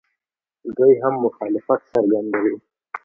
دوی هم مخالفت څرګندوي.